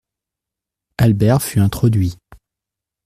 Albert fut introduit.